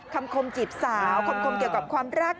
คมจีบสาวคำคมเกี่ยวกับความรัก